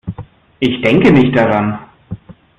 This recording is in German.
Ich denke nicht daran.